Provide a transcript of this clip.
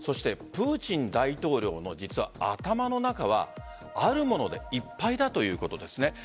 プーチン大統領の頭の中はあるものでいっぱいだということです。